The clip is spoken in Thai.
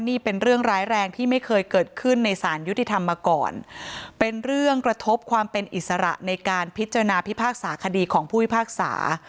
นี่เป็นเรื่องร้ายแรงที่ไม่เคยเกิดขึ้นในสารยุติธรรมมาก่อนเป็นเรื่องกระทบความเป็นอิสระในการพิจารณาพิพากษาคดีของผู้พิพากษา